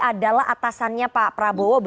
adalah atasannya pak prabowo